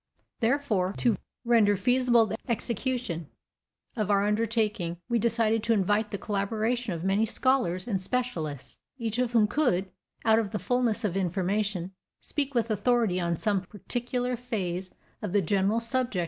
Therefore, to render feasible the execution of our undertaking, we decided to invite the collaboration of many scholars and specialists, each of whom could, out of the fullness of information, speak with authority on some particular phase of the general subject.